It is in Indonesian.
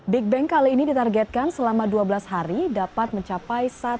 big bang kali ini ditargetkan selama dua belas hari dapat mencapai